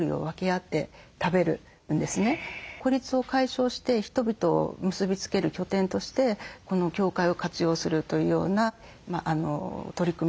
孤立を解消して人々を結びつける拠点としてこの教会を活用するというような取り組みが行われていたりとかもします。